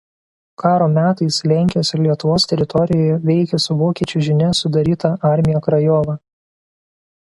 Karo metais Lenkijos ir Lietuvos teritorijoje veikė su vokiečių žinia sudaryta Armija Krajova.